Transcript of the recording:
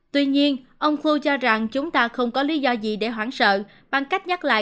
tuy nhiên ông khu cho rằng chúng ta không có lý do gì để hoảng sợ bằng cách nhắc lại